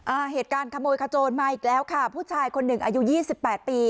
อ่าเหตุการณ์ขโมยขโจรมาอีกแล้วค่ะผู้ชายคนหนึ่งอายุยี่สิบแปดปี